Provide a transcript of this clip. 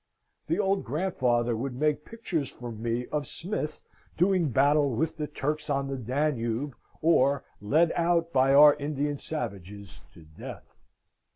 The old grandfather would make pictures for me of Smith doing battle with the Turks on the Danube, or led out by our Indian savages to death.